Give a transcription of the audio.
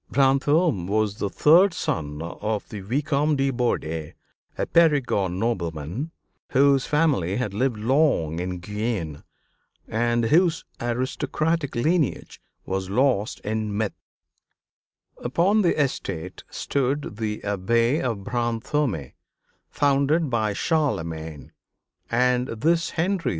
[Illustration: ABBÉ DE BRANTÔME] Brantôme was the third son of the Vicomte de Bourdeille, a Périgord nobleman, whose family had lived long in Guienne, and whose aristocratic lineage was lost in myth. Upon the estate stood the Abbey of Brantôme, founded by Charlemagne, and this Henry II.